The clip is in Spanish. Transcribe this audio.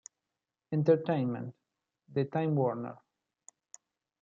Entertainment de Time Warner.